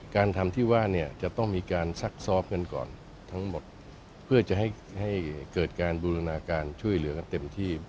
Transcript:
การทำที่ว่าเนี่ยจะต้องมีการซักซ้อมกันก่อนทั้งหมดเพื่อจะให้เกิดการบูรณาการช่วยเหลือกันเต็มที่